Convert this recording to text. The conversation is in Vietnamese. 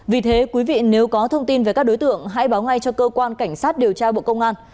vì thế quý vị nếu có thông tin về các đối tượng hãy báo ngay cho cơ quan cảnh sát điều tra bộ công an